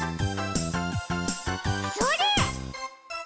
それ！